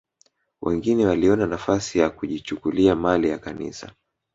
Wengine waliona nafasi ya kujichukulia mali ya Kanisa